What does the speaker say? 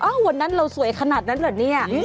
วันนั้นเราสวยขนาดนั้นเหรอเนี่ย